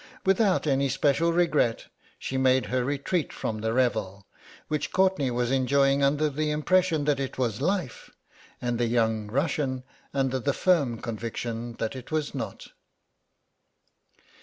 Without any special regret she made her retreat from the revel which Courtenay was enjoying under the impression that it was life and the young Russian under the firm conviction that it was not.